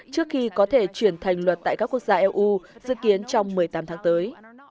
trước khi có thể chuyển thành luật tại các quốc gia eu dự kiến trong một mươi tám tháng tới